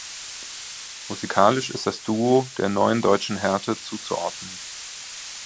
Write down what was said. Musikalisch ist das Duo der Neuen Deutschen Härte zuzuordnen.